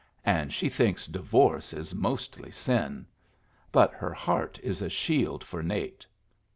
And she thinks divorce is mostly sin. But her heart is a shield for Nate."